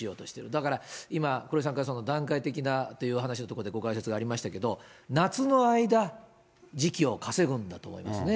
だから今、黒井さんから段階的なという話のところでご解説がありましたけれども、夏の間、時期を稼ぐんだと思いますね。